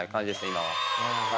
今は。